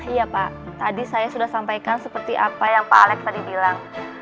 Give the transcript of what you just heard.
iya pak tadi saya sudah sampaikan seperti apa yang pak alex tadi bilang